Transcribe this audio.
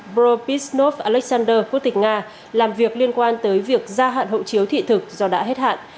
brobisnov alexander quốc tịch nga làm việc liên quan tới việc gia hạn hậu chiếu thị thực do đã hết hạn